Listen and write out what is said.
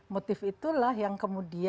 motif itulah yang kita lihat